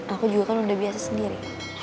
aku juga kan udah biasa sendiri